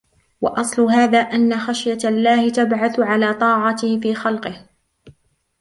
وَأَصْلُ هَذَا أَنَّ خَشْيَةَ اللَّهِ تَبْعَثُ عَلَى طَاعَتِهِ فِي خَلْقِهِ